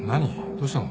どうしたの？